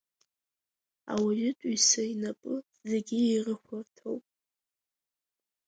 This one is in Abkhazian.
Ауаҩытәыҩса инапы зегьы ирыхәарҭоуп…